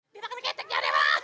dia menggunakan keceknya